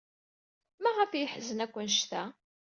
Maɣef ay yeḥzen akk anect-a?